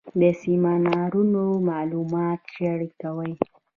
سیمینارونه معلومات شریکوي